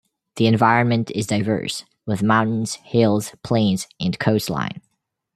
The environment is diverse, with mountains, hills, plains and coastline.